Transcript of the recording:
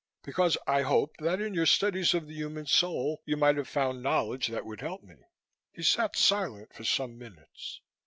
"Because I hoped that in your studies of the human soul, you might have found knowledge that would help me." He sat silent for some minutes.